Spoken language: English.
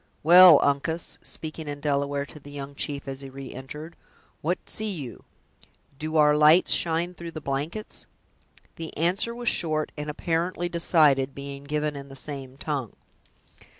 Well, Uncas!" speaking in Delaware to the young chief as he re entered, "what see you? do our lights shine through the blankets?" The answer was short, and apparently decided, being given in the same tongue.